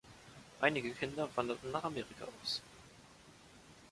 Einige Kinder wanderten nach Amerika aus.